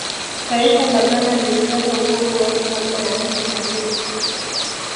taifa la ghana lilipata uhuru wake kabla ya nchi zingine